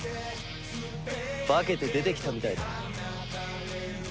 化けて出てきたみたいだ。